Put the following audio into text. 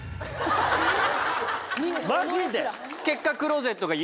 マジで？